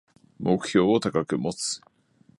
目標を高く持つ